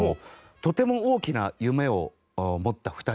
とても大きな夢を持った２人という事で。